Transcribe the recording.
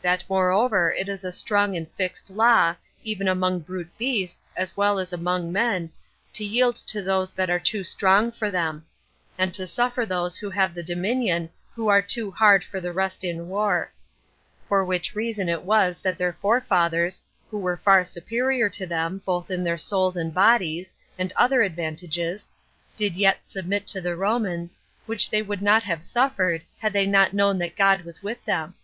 That, moreover, it is a strong and fixed law, even among brute beasts, as well as among men, to yield to those that are too strong for them; and to suffer those to have the dominion who are too hard for the rest in war; for which reason it was that their forefathers, who were far superior to them, both in their souls and bodies, and other advantages, did yet submit to the Romans, which they would not have suffered, had they not known that God was with them.